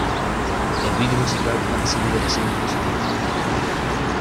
El video musical ha recibido reseñas positivas.